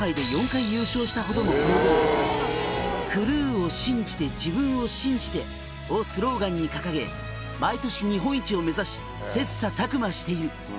「したほどの古豪」「『クルーを信じて自分を信じて』をスローガンに掲げ毎年日本一を目指し切磋琢磨している」